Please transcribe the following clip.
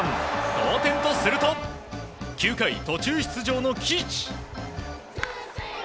同点とすると９回途中出場の岸。